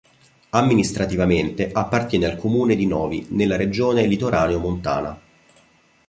Amministrativamente appartiene al comune di Novi, nella regione litoraneo-montana.